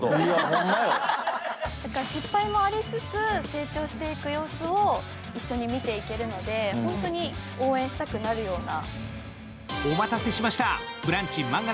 失敗もありつつ成長していく様子を一緒に見ていけるので、本当に応援したくなるような。